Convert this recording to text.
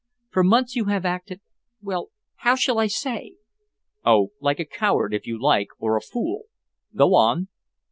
For months you have acted well, how shall I say?" "Oh, like a coward, if you like, or a fool. Go on."